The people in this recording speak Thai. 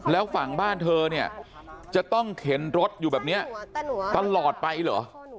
แล้วฝั่งบ้านเธอเนี่ยจะต้องเข็นรถอยู่แบบนี้ตลอดไปเหรอ